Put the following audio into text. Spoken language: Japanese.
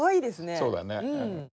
そうだね。